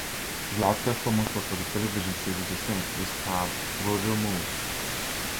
His last performance was for the television series "The Saint" which starred Roger Moore.